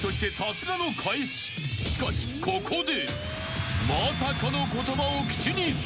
［しかしここで］